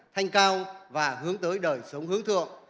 thanh cao và hướng tới đời sống hướng thượng